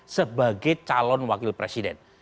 sebagai calon wakil presiden